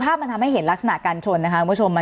ถ้ามันทำให้เห็นลักษณะการชนนะคะคุณผู้ชม